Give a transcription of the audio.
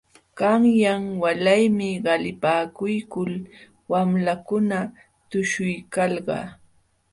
Qanyan walaymi qalipakuykul wamlakuna tushuykalqa.